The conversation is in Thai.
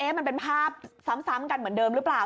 มันเป็นภาพซ้ำกันเหมือนเดิมหรือเปล่า